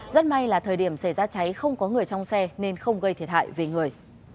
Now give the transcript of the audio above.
rất may là thời điểm xảy ra cháy không có người trong xe nên không gây thiệt hại về người